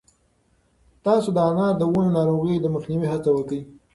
تاسو د انار د ونو د ناروغیو د مخنیوي هڅه وکړئ.